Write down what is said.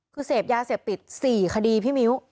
คือเสพยาเสพติด๔คดีพี่มิ้ว